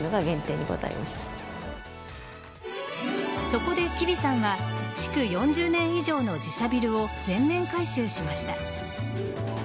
そこで、吉備さんは築４０年以上の自社ビルを全面改修しました。